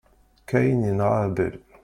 Kain yenɣa Abel.